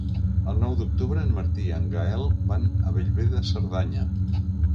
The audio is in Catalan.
El nou d'octubre en Martí i en Gaël van a Bellver de Cerdanya.